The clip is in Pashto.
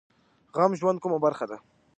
غم د ژوند کومه برخه ده؟